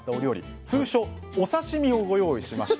通称お刺身をご用意しました。